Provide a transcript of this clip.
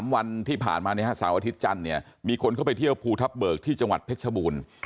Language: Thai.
วันที่ผ่านมาเสาร์อาทิตย์จันทร์เนี่ยมีคนเข้าไปเที่ยวภูทับเบิกที่จังหวัดเพชรชบูรณ์